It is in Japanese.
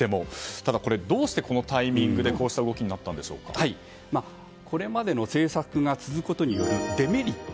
ただ、これ、どうしてこのタイミングでこうした動きにこれまでの政策が続くことによるデメリット